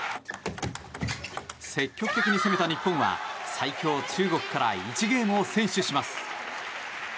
積極的に攻めた日本最強・中国から１ゲームを先取します。